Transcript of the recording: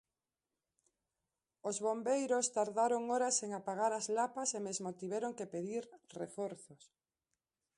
Os bombeiros tardaron horas en apagar as lapas e mesmo tiveron que pedir reforzos.